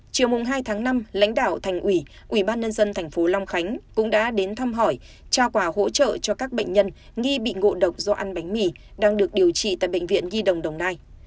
chiều hai tháng năm lãnh đạo thành ủy ủy ban nhân dân thành phố long khánh cũng đã đến thăm hỏi trao quà hỗ trợ cho các bệnh nhân nghi bị ngộ độc do ăn bánh mì đang được điều trị tại bệnh viện nhi đồng đồng nai